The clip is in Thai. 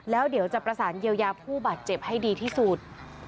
แล้วเดี๋ยวจะประสานเยียวยาผู้บาดเจ็บให้ดีที่สุด